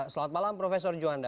selamat malam profesor juwanda